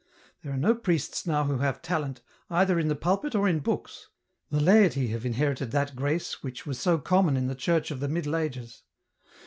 There are no priests now who have talent, either in the pulpit or in books ; the laity have inherited that grace which was so common in the Church of the Middle Ages.